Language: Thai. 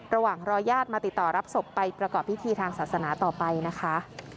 รอญาติมาติดต่อรับศพไปประกอบพิธีทางศาสนาต่อไปนะคะ